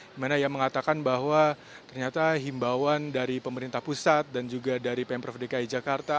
dimana ia mengatakan bahwa ternyata himbauan dari pemerintah pusat dan juga dari pemprov dki jakarta